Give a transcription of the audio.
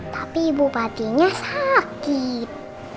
tapi bu patinya sakit